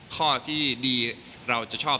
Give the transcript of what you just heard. ข้อที่ดีเราจะชอบ